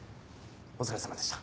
お疲れさまでした。